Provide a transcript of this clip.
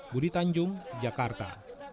budi tanjung jakarta